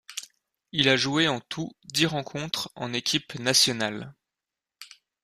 Il a joué en tout dix rencontres en équipe nationale.